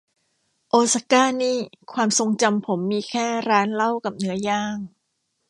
โอซาก้านี่ความทรงจำผมมีแค่ร้านเหล้ากับเนื้อย่าง